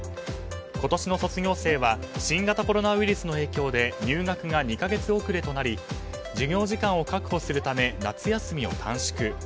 今年の卒業生は新型コロナウイルスの影響で入学が２か月遅れとなり授業時間を確保するため夏休みを短縮。